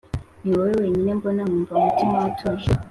ni wowe wenyine mbona nkumva umutima utuje